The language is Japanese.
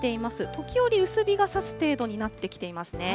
時折、薄日がさす程度になってきていますね。